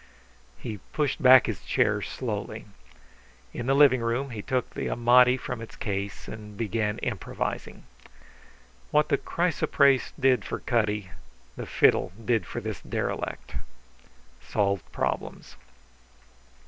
He pushed back his chair slowly. In the living room he took the Amati from its case and began improvising. What the chrysoprase did for Cutty the fiddle did for this derelict solved problems.